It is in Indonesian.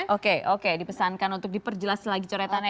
oke oke dipesankan untuk diperjelas lagi coretannya